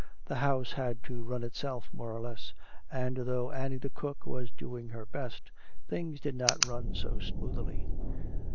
The house had to run itself more or less; and though Annie the cook was doing her best, things did not run so smoothly.